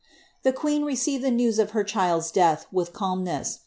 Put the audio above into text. The queen received the news of her child's death with calmness.